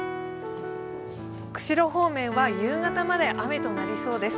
釧路方面は夕方まで雨となりそうです。